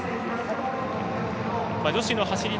女子の走り